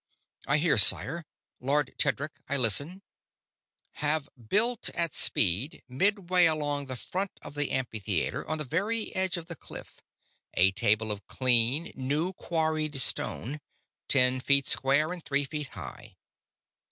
"I hear, sire. Lord Tedric, I listen." "Have built, at speed, midway along the front of the amphitheater, on the very edge of the cliff, a table of clean, new quarried stone; ten feet square and three feet high.